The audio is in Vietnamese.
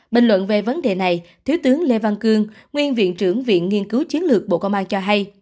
bình luận về vấn đề này thứ tướng lê văn cương nguyên viện trưởng viện nghiên cứu chiến lược bộ công an cho hay